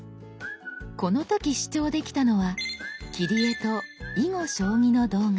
この時視聴できたのは「切り絵」と「囲碁将棋」の動画。